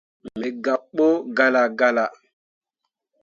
Me gabɓo galla galla.